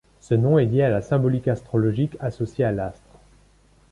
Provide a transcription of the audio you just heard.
Ce nom est lié à la symbolique astrologique associée à l'astre.